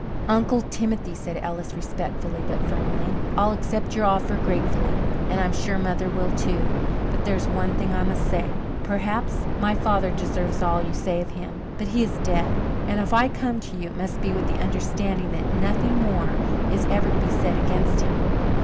"Uncle Timothy," said Ellis respectfully but firmly, "I'll accept your offer gratefully, and I am sure Mother will too. But there is one thing I must say. Perhaps my father deserves all you say of him but he is dead and if I come to you it must be with the understanding that nothing more is ever to be said against him."